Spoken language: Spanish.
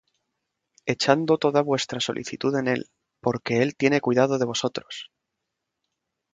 Echando toda vuestra solicitud en él, porque él tiene cuidado de vosotros.